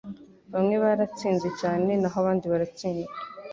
Bamwe baratsinze cyane naho abandi baratsindwa